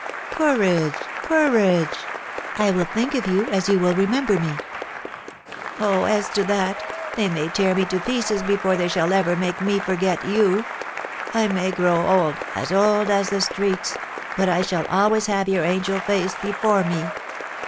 "Courage! Courage! I will think of you, as you will remember me." "Oh, as to that, they may tear me to pieces before they shall ever make me forget you! I may grow old, as old as the streets, but I shall always have your angel face before me.